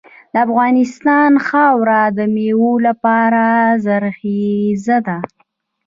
د افغانستان خاوره د میوو لپاره زرخیزه ده.